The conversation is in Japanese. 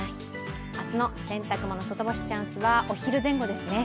明日の洗濯もの、外干しチャンスはお昼頃ですね。